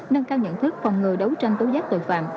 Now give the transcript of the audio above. nâng cao nhận thức phòng ngừa đấu tranh tố giác tội phạm